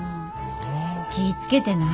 気ぃ付けてな。